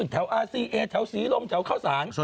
แถวอาซีเอแถวศรีลมแถวเข้าสาร